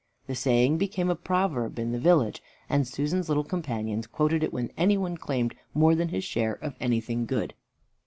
The saying became a proverb in the village, and Susan's little companions quoted it when any one claimed more than his share of anything good.